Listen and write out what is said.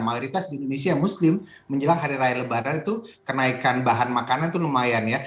mayoritas di indonesia yang muslim menjelang hari raya lebaran itu kenaikan bahan makanan itu lumayan ya